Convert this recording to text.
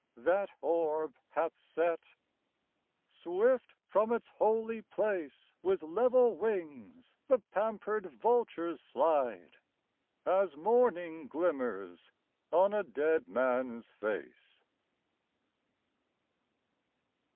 That orb hath set. Swift from its holy place With level wings the pampered vultures slide, As morning glimmers on a dead man s face.